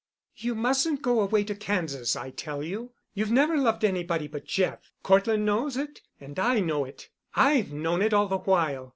"You mustn't go away to Kansas, I tell you. You've never loved anybody but Jeff. Cortland knows it, and I know it. I've known it all the while.